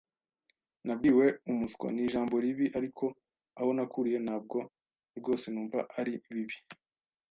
Nabwiwe "umuswa" ni ijambo ribi, ariko aho nakuriye ntabwo rwose numva ari bibi.